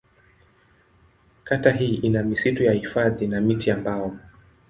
Kata hii ina misitu ya hifadhi na miti ya mbao.